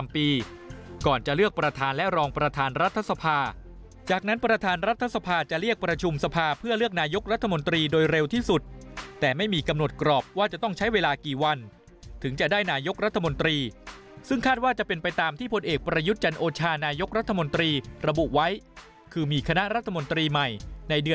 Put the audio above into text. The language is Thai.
ก่อนจะเลือกประธานและรองประธานรัฐสภาจากนั้นประธานรัฐสภาจะเรียกประชุมสภาเพื่อเลือกนายกรัฐมนตรีโดยเร็วที่สุดแต่ไม่มีกำหนดกรอบว่าจะต้องใช้เวลากี่วันถึงจะได้นายกรัฐมนตรีซึ่งคาดว่าจะเป็นไปตามที่พลเอกประยุทธ์จันโอชานายกรัฐมนตรีระบุไว้คือมีคณะรัฐมนตรีใหม่ในเดือน